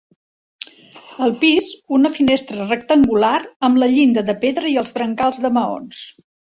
Al pis, una finestra rectangular amb la llinda de pedra i els brancals de maons.